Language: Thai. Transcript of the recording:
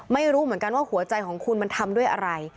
ไม่รู้เหมือนกันว่าหัวใจของคุณมันทำด้วยอะไร